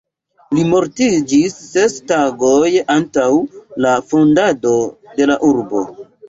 Li mortiĝis ses tagoj antaŭ la fondado de la urbo.